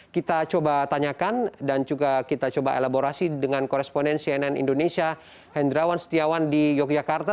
kita coba tanyakan dan juga kita coba elaborasi dengan koresponen cnn indonesia hendrawan setiawan di yogyakarta